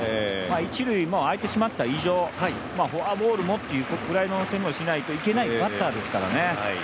一塁が空いてしまった以上フォアボールもっていうぐらいにしないといけないバッターですからね。